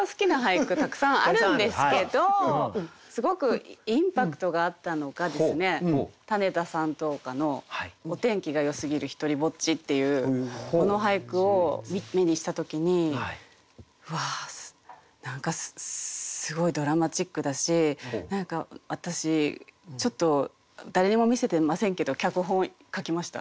たくさんあるんですけどすごくインパクトがあったのが種田山頭火の「お天気がよすぎる独りぼつち」っていうこの俳句を目にした時にうわ何かすごいドラマチックだし何か私ちょっと誰にも見せてませんけど脚本書きました。